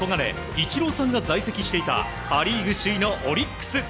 イチローさんが在籍していたパ・リーグ首位のオリックス。